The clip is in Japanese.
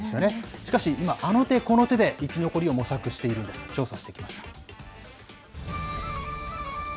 しかし今、あの手この手で生き残りを模索しているんです。